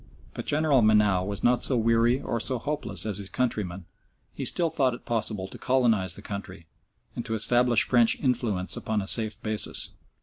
But General Menou was not so weary or so hopeless as his countrymen; he still thought it possible to colonise the country and to establish French influence upon a safe basis.